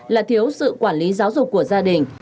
là thiếu sự quản lý giáo dục của gia đình